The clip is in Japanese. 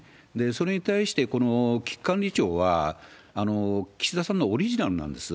それに対して、この危機管理庁は岸田さんのオリジナルなんです。